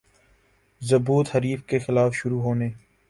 ضبوط حریف کے خلاف شروع ہونے